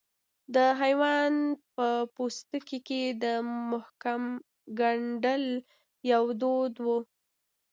د حیوان په پوستکي کې د محکوم ګنډل یو دود و.